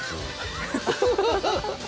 ハハハハ！